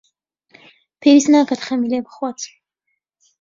پێویست ناکات خەمی لێ بخوات.